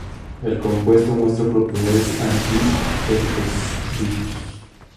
El compuesto muestra propiedades anti-herpesvirus.